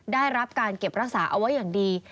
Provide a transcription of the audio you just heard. ได้รับการเก็บรักษาเอาไว้อย่างดี